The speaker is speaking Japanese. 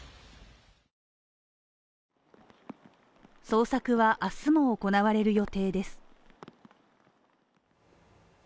捜索はあすも行われる予定です。